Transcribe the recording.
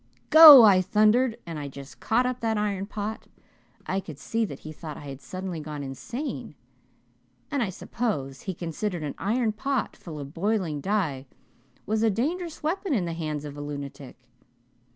'Go,' I thundered, and I just caught up that iron pot. I could see that he thought I had suddenly gone insane, and I suppose he considered an iron pot full of boiling dye was a dangerous weapon in the hands of a lunatic.